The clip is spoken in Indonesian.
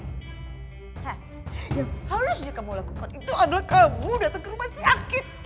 yang harusnya kamu lakukan itu adalah kamu datang ke rumah si akif